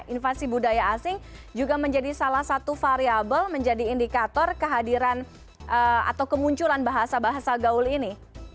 invasi budaya asing juga menjadi salah satu variable menjadi indikator kehadiran atau kemunculan bahasa bahasa gaul ini